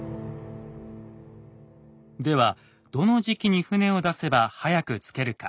ではどの時期に船を出せば早く着けるか。